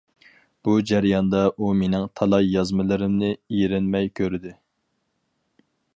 بۇ جەرياندا ئۇ مېنىڭ تالاي يازمىلىرىمنى ئېرىنمەي كۆردى.